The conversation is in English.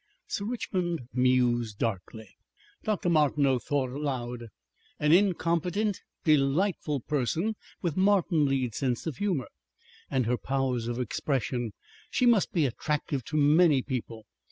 Sir Richmond mused darkly. Dr. Martineau thought aloud. "An incompetent delightful person with Martin Leeds's sense of humour. And her powers of expression. She must be attractive to many people.